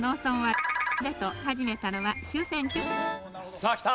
さあきた！